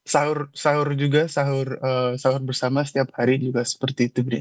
sahur sahur juga sahur sahur bersama setiap hari juga seperti itu bri